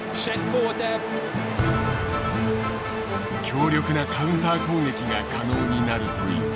強力なカウンター攻撃が可能になるという。